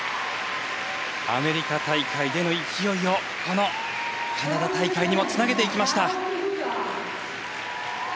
アメリカ大会での勢いをこのカナダ大会にもつなげていきました。